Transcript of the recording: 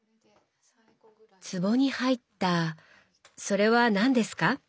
つぼに入ったそれは何ですか？